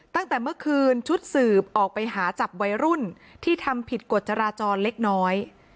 ตั้งแต่เมื่อคืนชุดสืบออกไปหาจับวัยรุ่นที่ทำผิดกฎจราจรเล็กน้อย